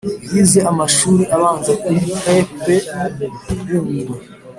yize amashuri abanza kuri e.p bungwe.